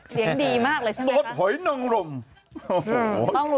เสียงดีมากเลยสิไหมคะ